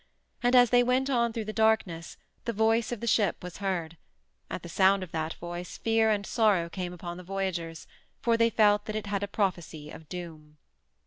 And as they went on through the darkness the voice of the ship was heard; at the sound of that voice fear and sorrow came upon the voyagers, for they felt that it had a prophecy of doom.